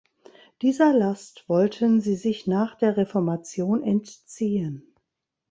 Dieser Last wollten sie sich nach der Reformation entziehen.